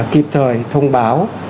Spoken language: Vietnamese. kịp thời thông báo